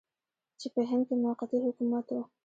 چې په هند کې موقتي حکومت و.